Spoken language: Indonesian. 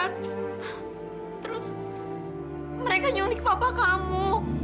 terus mereka nyulik papa kamu